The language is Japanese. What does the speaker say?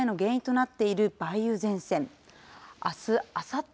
今回の大雨の原因となっている、梅雨前線。